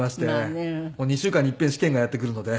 ２週間に一遍試験がやってくるので。